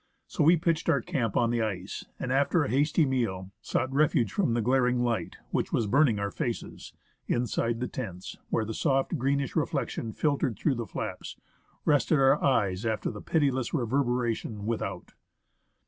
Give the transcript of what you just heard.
So we pitched our camp on the ice, and after a hasty meal, sought refuge from the glaring light, which was burning our faces, inside the tents, where the soft, greenish reflection filtered through the flaps rested our eyes after the pitiless reverberation without.